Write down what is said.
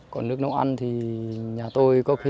còn nước nấu ăn thì sao